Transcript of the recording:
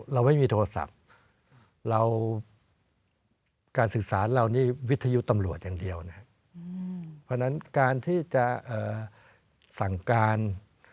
เราไม่มีโทรศัพท์การศึกษาเรานี่วิทยุตำรวจอีกอย่างเดียว